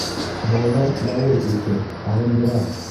Бала — бауыр ите, һағындыра.